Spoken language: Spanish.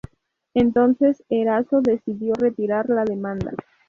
Entonces Erazo decidió retirar la demanda.